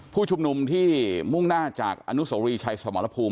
ผู้ชุมนุมที่มุ่งหน้าจากอนุโสรีชัยสมรภูมิ